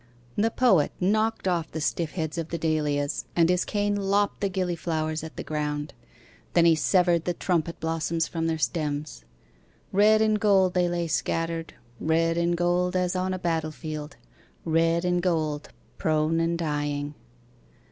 The Poet knocked off the stiff heads of the dahlias, And his cane lopped the gillyflowers at the ground. Then he severed the trumpet blossoms from their stems. Red and gold they lay scattered, Red and gold, as on a battle field; Red and gold, prone and dying.